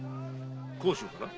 甲州から？